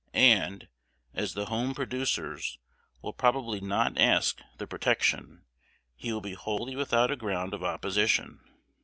And, as the home producers will probably not ask the protection, he will be wholly without a ground of opposition.